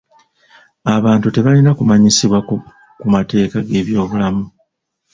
Abantu tebalina kumanyisibwa ku mateeka g'ebyobulamu.